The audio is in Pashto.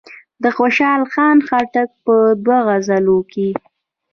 د خوشحال خان خټک په دوو غزلونو کې.